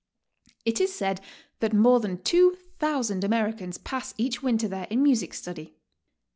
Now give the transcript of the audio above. It is said that more than 2000 Americans pass each winter there in music study.